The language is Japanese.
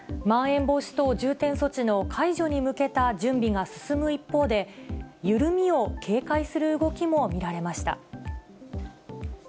まん延防止等重点措置の解除に向けた準備が進む一方で、緩みを警戒する動きも見られました。